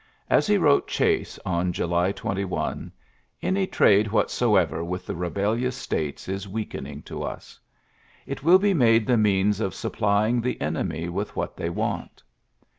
As he wrote Chase on July 21 :*^ Any trade whatsoever with the rebeUions states is weakening to ns. ... It will be made the means of supplying the enemy with what they want.'